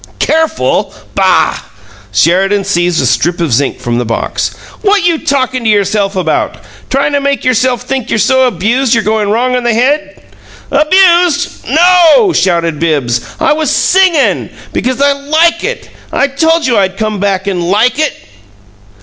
"Careful? Boh!" Sheridan seized a strip of zinc from the box. "What you talkin' to yourself about? Tryin' to make yourself think you're so abused you're goin' wrong in the head?" "'Abused'? No!" shouted Bibbs. "I was SINGING because I 'like it'! I told you I'd come back and 'like it.'"